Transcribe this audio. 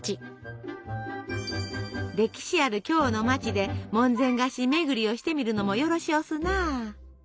歴史ある京の町で門前菓子巡りをしてみるのもよろしおすな。